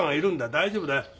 大丈夫だよ。